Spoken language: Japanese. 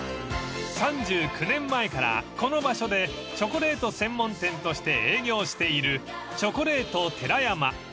［３９年前からこの場所でチョコレート専門店として営業しているチョコレートてら山］